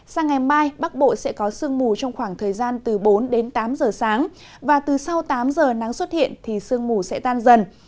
sang ngày mai bắc bộ sẽ có sương mù trong khoảng thời gian từ bốn đến tám giờ sáng và từ sau tám giờ nắng xuất hiện thì sương mù sẽ tan dần